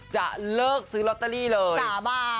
จะเลิกซื้อลอตเตอรี่เลย๓บาท